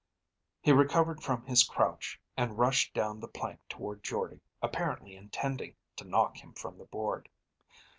He recovered from his crouch, and rushed down the plank toward Jordde, apparently intending to knock him from the board.